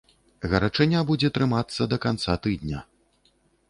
Гарачыня будзе трымацца да канца тыдня.